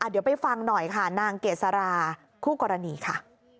เดี๋ยวไปฟังหน่อยค่ะนางเกษราคู่กรณีค่ะ